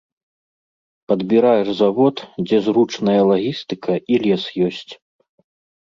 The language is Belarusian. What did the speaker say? Падбіраеш завод, дзе зручная лагістыка і лес ёсць.